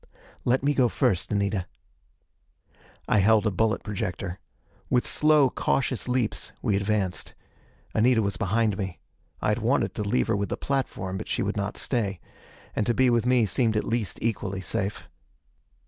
"Let me go first, Anita." I held a bullet projector. With slow, cautious leaps, we advanced. Anita was behind me. I had wanted to leave her with the platform, but she would not stay. And to be with me seemed at least equally safe.